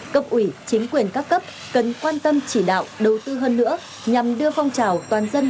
cấp ủy chính quyền các cấp cần quan tâm chỉ đạo đầu tư hơn nữa nhằm đưa phong trào toàn dân